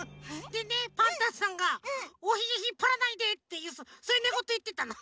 でねパンタンさんが「おひげひっぱらないで」ってそういうねごといってたの。